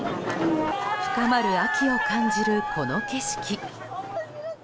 深まる秋を感じる、この景色。